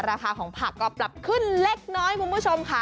ราคาของผักก็ปรับขึ้นเล็กน้อยคุณผู้ชมค่ะ